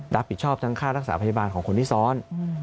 รับผิดชอบทั้งค่ารักษาพยาบาลของคนที่ซ้อน